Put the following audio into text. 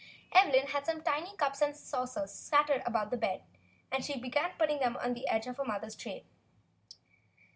Evelyn had some tiny cups and saucers scattered about on the bed, and she began putting them on the edge of her mother's tray.